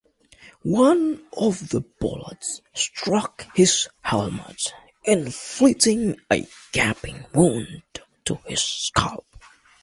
One of the bullets struck his helmet, inflicting a gaping wound to his scalp.